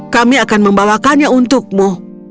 kami akan membawakannya untukmu